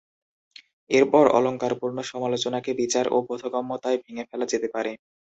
এরপর অলঙ্কারপূর্ণ সমালোচনাকে বিচার ও বোধগম্যতায় ভেঙে ফেলা যেতে পারে।